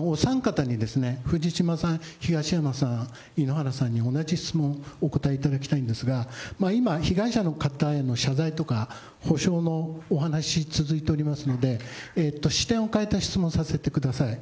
お三方に、藤島さん、東山さん、井ノ原さんに同じ質問、お答えいただきたいんですが、今、被害者の方への謝罪とか、補償のお話続いておりますので、視点を変えた質問をさせてください。